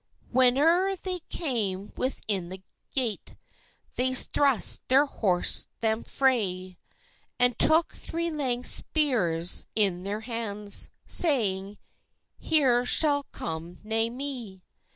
Whene'er they came within the yate, They thrust their horse them frae, And took three lang spears in their hands, Saying—"Here shall come nae me!"